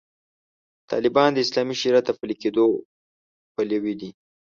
طالبان د اسلامي شریعت د پلي کېدو پلوي دي.